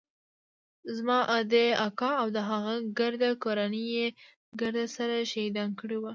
زما ادې اکا او د هغه ګرده کورنۍ يې ګرد سره شهيدان کړي وو.